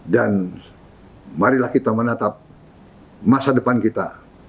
dan marilah kita menatap masa depan kita